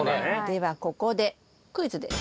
ではここでクイズです。